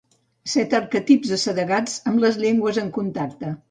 Set arquetips assedegats amb les llengües en contacte.